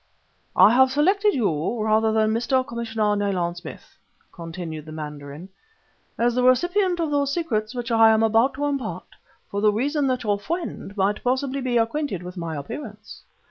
"I have selected you, rather than Mr. Commissioner Nayland Smith," continued the mandarin, "as the recipient of those secrets which I am about to impart, for the reason that your friend might possibly be acquainted with my appearance.